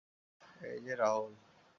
এই যে রাহুল।